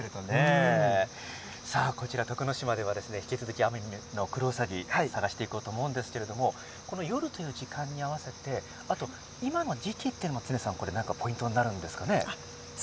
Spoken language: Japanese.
こちら、徳之島では引き続きアマミノクロウサギを探していこうと思うんですけどもこの夜の時間そして今の時期というのも常さん、何かポイントになるんですかね。